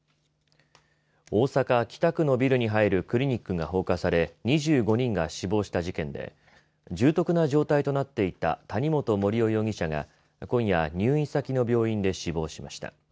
大阪、北区のビルに入るクリニックが放火され２５人が死亡した事件で重篤な状態となっていた谷本盛雄容疑者が今夜、入院先の病院で死亡しました。